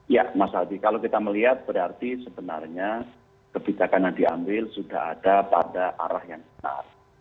ya mas aldi kalau kita melihat berarti sebenarnya kebijakan yang diambil sudah ada pada arah yang benar